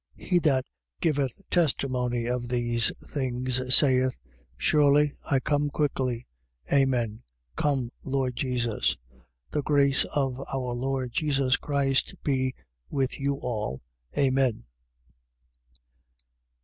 22:20. He that giveth testimony of these things, saith: Surely, I come quickly: Amen. Come, Lord Jesus. 22:21. The grace of our Lord Jesus Christ be with you all. Amen.